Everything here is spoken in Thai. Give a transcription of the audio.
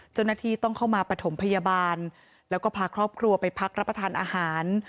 เจ้าหน้าที่ต้องเข้ามาปฐมพยาบาลแล้วก็พาครอบครัวไปพักรับประทานอาหาร